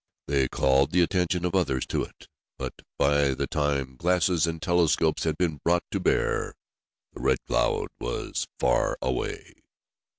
They called the attention of others to it, but, by the time glasses and telescopes had been brought to bear, the Red Cloud was far away.